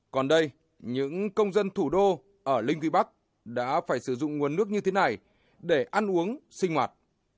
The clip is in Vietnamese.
còn đây những công dân thủ đô ở linh vị bắc đã phải sử dụng nguồn nước như thế này để ăn uống sinh hoạt